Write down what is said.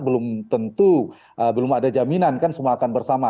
belum tentu belum ada jaminan kan semua akan bersama